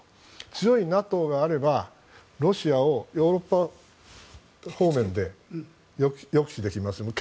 強いＮＡＴＯがあればロシアをヨーロッパ方面で抑止できますよね